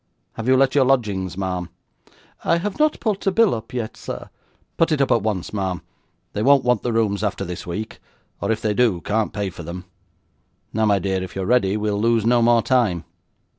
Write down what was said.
Have you let your lodgings, ma'am?' 'I have not put a bill up yet, sir.' 'Put it up at once, ma'am; they won't want the rooms after this week, or if they do, can't pay for them. Now, my dear, if you're ready, we'll lose no more time.